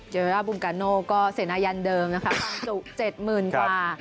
เจอเวลาบุงกานโนก็เสนายันเดิมความจุ๗๐๐๐๐กว่า